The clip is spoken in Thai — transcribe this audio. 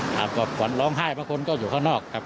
ครับก็ขวัญร้องไห้บางคนก็อยู่ข้างนอกครับ